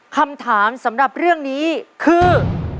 คำถามสำหรับเรื่องนี้คือ